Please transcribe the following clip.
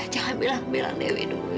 jangan bilang bilang dewi dulu ya mai